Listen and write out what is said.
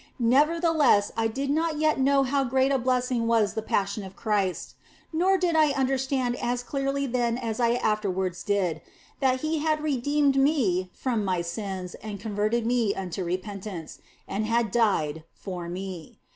Neverthe less I did not yet know how great a blessing was the Passion of Christ, nor did I understand as clearly then as I afterwards did, how that He had redeemed me from my sins and converted me unto repentance, and had died for me.